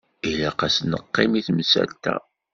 Ilaq ad as-neqqim i temsalt-a.